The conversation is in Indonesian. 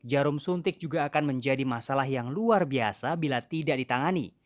jarum suntik juga akan menjadi masalah yang luar biasa bila tidak ditangani